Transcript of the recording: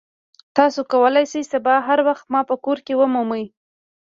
تاسو کولی شئ سبا هر وخت ما په کور کې ومومئ